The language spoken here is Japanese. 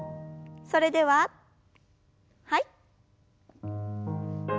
それでははい。